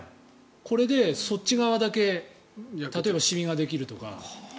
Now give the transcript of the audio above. これで、そっち側だけ例えばシミができるとか。